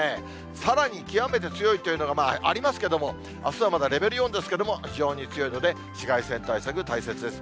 さらに極めて強いというのがありますけれども、あすはまだレベル４ですけれども、非常に強いので、紫外線対策、大切です。